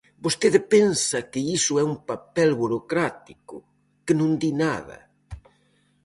¿Vostede pensa que iso é un papel burocrático, que non di nada?